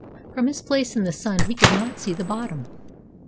From his place in the sun he could not see bottom.